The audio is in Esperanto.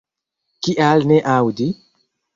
Kial ne aŭdi?